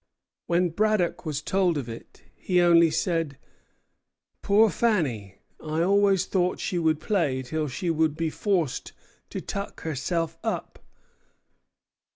When Braddock was told of it, he only said: 'Poor Fanny! I always thought she would play till she would be forced to tuck herself up.'"